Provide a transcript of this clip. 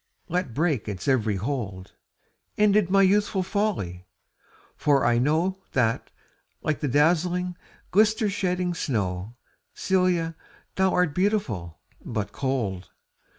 Let break its every hold! Ended my youthful folly! for I know That, like the dazzling, glister shedding snow, Celia, thou art beautiful, but cold.